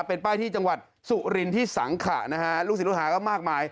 เป็นป้ายที่จังหวัดสุรินที่สังขะลูกศิลหามากมาย